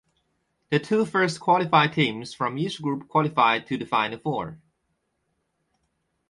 The two first qualified teams from each group qualified to the Final Four.